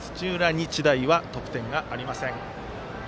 日大は得点がありません。